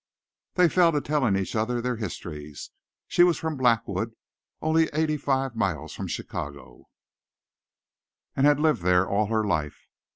They fell to telling each other their histories. She was from Blackwood, only eighty five miles from Chicago, and had lived there all her life.